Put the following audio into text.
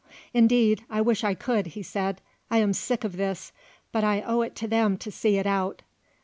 "Indeed I wish I could," he said; "I am sick of this; but I owe it to them to see it out.